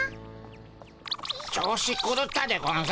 調子くるったでゴンス。